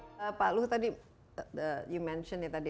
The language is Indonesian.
ada kompetitifnya juga di e trade